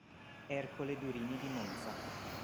Ercole Durini di Monza